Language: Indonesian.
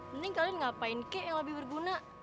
mending kalian ngapain kek yang lebih berguna